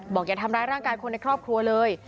อย่าทำร้ายร่างกายคนในครอบครัวเลย